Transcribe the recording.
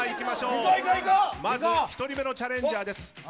まず、１人目のチャレンジャーです。